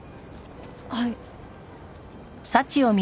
はい。